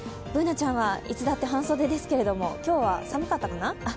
Ｂｏｏｎａちゃんはいつだって半袖ですけれども今日は寒かったかな？